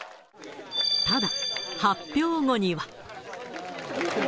ただ、発表後には。